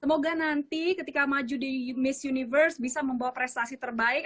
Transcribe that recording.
semoga nanti ketika maju di miss universe bisa membawa prestasi terbaik